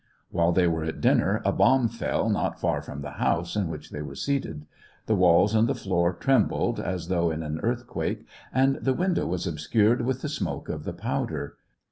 While they were at dinner, a bomb fell not far from the house in which they were seated. The walls and the floor trembled, as though in an earthquake, and the window was obscured with the smoke of the powder.